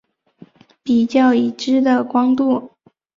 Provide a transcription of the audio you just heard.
比较已知的光度。